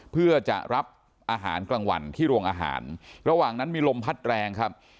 เพื่อจะรับอาหารกลางวันที่โรงอาหารระหว่างนั้นมีลมพัดแรงครับ